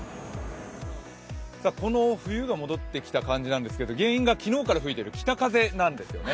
この冬が戻ってきた感じなんですけど原因が昨日から吹いている北風なんですね。